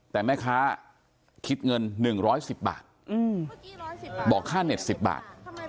แต่แม่ค้าคิดเงินหนึ่งร้อยสิบบาทบอกค่าเน็ตสิบบาท